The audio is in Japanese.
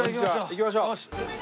行きましょう。